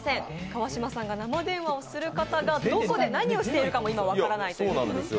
川島さんが生電話をする方が今どこで何をしているかも今、分からないということです。